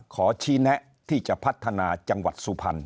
ขอชี้แนะที่จะพัฒนาจังหวัดสุพรรณ